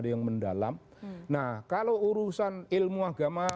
kalau urusan ilmu agama